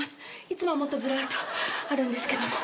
いつもはもっとずらっとあるんですけども。